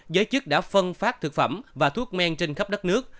giới chức đã phân phát thực phẩm và thuốc men trên khắp đất nước